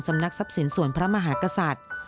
ทรัพย์ศัพท์ศีลสวนพระมหากษัตริย์